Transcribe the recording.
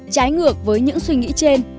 trái ngược với những suy nghĩ trên